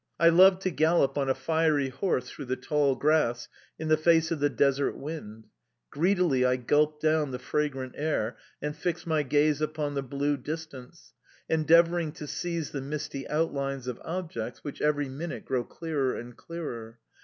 I love to gallop on a fiery horse through the tall grass, in the face of the desert wind; greedily I gulp down the fragrant air and fix my gaze upon the blue distance, endeavouring to seize the misty outlines of objects which every minute grow clearer and clearer.